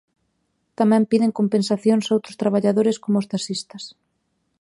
Tamén piden compensacións outros traballadores coma os taxistas.